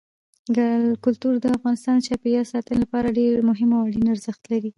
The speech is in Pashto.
کلتور د افغانستان د چاپیریال ساتنې لپاره ډېر مهم او اړین ارزښت لري.